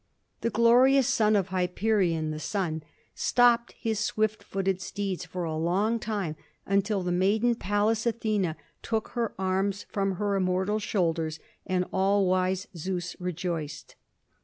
The glorious son of Hyperion (the sun) stopped his swift footed steeds for a long time until the maiden Pallas Athena took her arms from her immortal shoulders and all wise Zeus rejoiced.